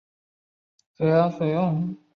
主要使用旁遮普语。